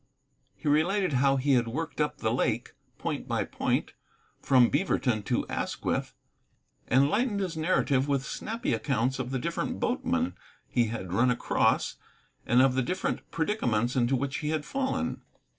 He related how he had worked up the lake, point by point, from Beaverton to Asquith, and lightened his narrative with snappy accounts of the different boatmen he had run across and of the different predicaments into which he had fallen.